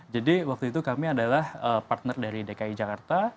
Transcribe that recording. jadi waktu itu kami adalah partner dari dki jakarta